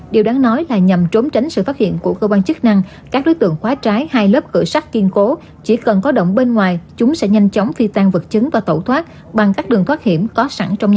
điều đáng nói là nhằm trốn tránh sự phát hiện của cơ quan chức năng các đối tượng khóa trái hai lớp cửa sắt kiên cố chỉ cần có động bên ngoài chúng sẽ nhanh chóng phi tan vật chứng và tẩu thoát bằng các đường thoát hiểm có sẵn trong nhà